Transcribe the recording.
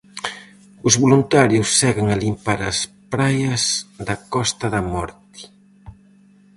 Os voluntarios seguen a limpar as praia da Costa da Morte.